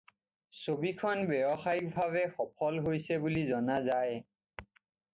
ছবিখন ব্যৱসায়িক ভাৱে সফল হৈছিল বুলি জনা যায়।